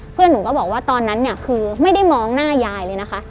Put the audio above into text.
เพื่อนหนูก็บอกว่าตอนนั้นเนี่ยคือไม่ได้มองหน้ายายเลยนะคะ